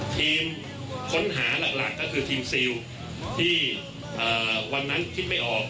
ทีมค้นหาหลักก็คือทีมซิลที่วันนั้นคิดไม่ออก